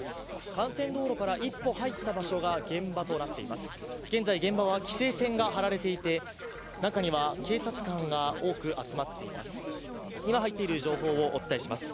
幹線道路から一歩入った場所が現場となっています。